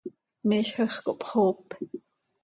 Miizj hacx cohpxoop.